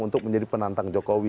untuk menjadi penantang jokowi